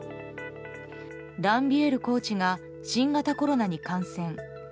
ランビエールコーチが新型コロナに感染。